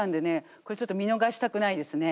これちょっと見逃したくないですね。